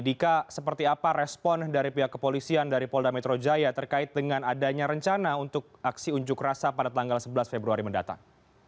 dika seperti apa respon dari pihak kepolisian dari polda metro jaya terkait dengan adanya rencana untuk aksi unjuk rasa pada tanggal sebelas februari mendatang